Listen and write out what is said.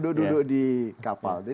tapi gak bisa jajan